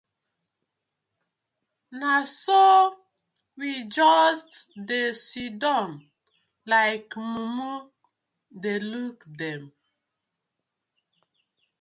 Na so we just dey siddon like mumu dey look dem.